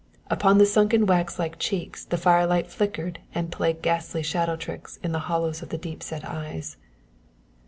Upon the sunken wax like cheeks the firelight flickered and played ghastly shadow tricks in the hollows of the deep set eyes.